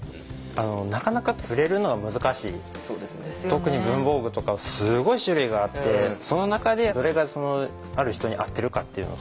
特に文房具とかすごい種類があってその中でどれがある人に合ってるかっていうのとかね